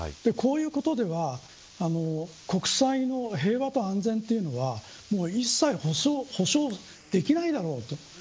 こういうことでは国際の平和と安全というのは一切保障できないだろうと。